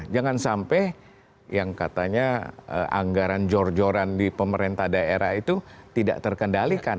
jangan sampai yang katanya anggaran jor joran di pemerintah daerah itu tidak terkendalikan